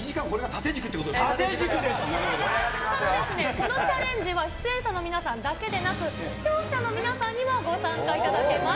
このチャレンジは出演者の皆さんだけでなく、視聴者の皆さんにもご参加いただけます。